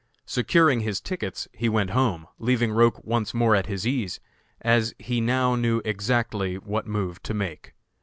Securing his tickets, he went home, leaving Roch once more at his ease, as he now knew exactly what move to make.